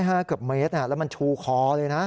เกือบเมตรแล้วมันชูคอเลยนะ